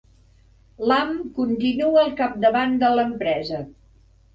Lam continua al capdavant de l'empresa.